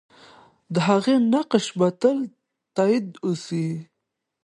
د هغې نقش به تل تایید سي.